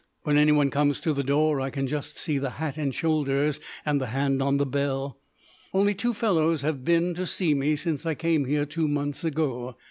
When anyone comes to the door I can just see the hat and shoulders and the hand on the bell. Only two fellows have been to see me since I came here two months ago.